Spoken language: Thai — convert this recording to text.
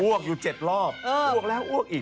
วกอยู่๗รอบอ้วกแล้วอ้วกอีก